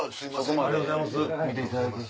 ありがとうございます。